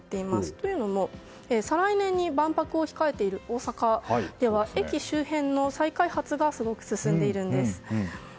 というのも再来年に万博を控えている大阪では駅周辺の再開発がすごく進んでいるんです。